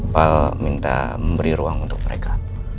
pal minta memberi ruang untuk mereka